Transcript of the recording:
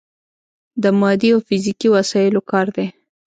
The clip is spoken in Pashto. د مادي او فزیکي وسايلو کار دی.